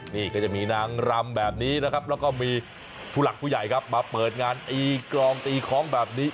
นี่ก็จะมีนางรำแบบนี้นะครับแล้วก็มีผู้หลักผู้ใหญ่ครับมาเปิดงานตีกรองตีคล้องแบบนี้